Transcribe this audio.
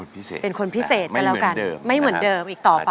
เป็นคนพิเศษแต่ไม่เหมือนเดิมอีกต่อไป